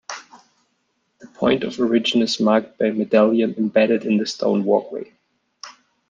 The point of origin is marked by a medallion embedded in the stone walkway.